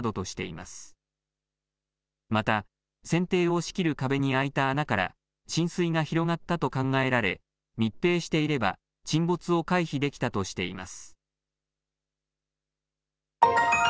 また船底を仕切る壁に開いた穴から浸水が広がったと考えられ密閉していれば沈没を回避できたとしています。